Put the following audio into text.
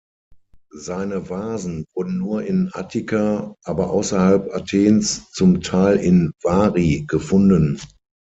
Seine Vasen wurden nur in Attika aber außerhalb Athens, zum Teil in Vari, gefunden.